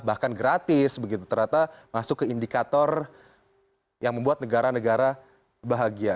bahkan gratis begitu ternyata masuk ke indikator yang membuat negara negara bahagia